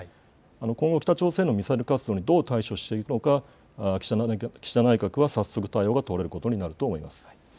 今後、北朝鮮のミサイル活動にどう対処していくのか岸田内閣は早速、対応が問われることになると思います。